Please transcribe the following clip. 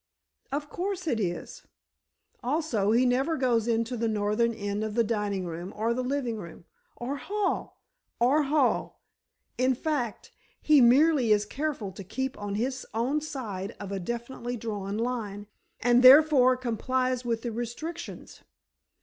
"Of course it is. Also, he never goes into the northern end of the dining room or the living room." "Or hall." "Or hall. In fact, he merely is careful to keep on his own side of a definitely drawn line, and therefore complies with the restrictions.